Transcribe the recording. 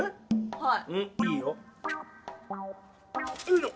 はい。